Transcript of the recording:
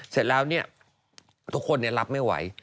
เสร็จแล้วทุกคนรับไม่ไหว